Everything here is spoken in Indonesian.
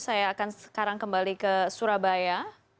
saya akan sekarang kembali ke surabaya